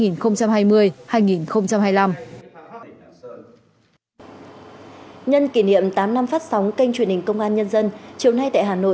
nhân kỷ niệm tám năm phát sóng kênh truyền hình công an nhân dân chiều nay tại hà nội